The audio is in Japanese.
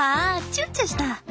チュッチュした。